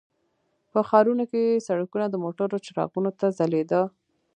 په ښارونو کې سړکونه د موټرو څراغونو ته ځلیده.